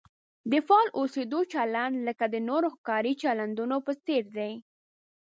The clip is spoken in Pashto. د فعال اوسېدو چلند لکه د نورو کاري چلندونو په څېر دی.